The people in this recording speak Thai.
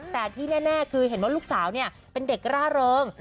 แต่ที่แน่คือเห็นว่าลูกสาวเป็นเด็กร่าเริง